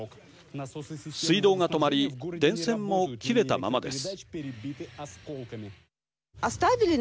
水道が止まり電線も切れたままです。